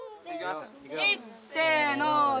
いっせので！